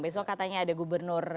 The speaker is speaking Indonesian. besok katanya ada gubernur